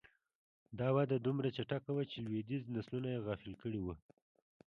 دا وده دومره چټکه وه چې لوېدیځ نسلونه یې غافل کړي وو